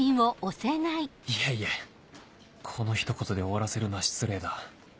いやいやこの一言で終わらせるのは失礼だ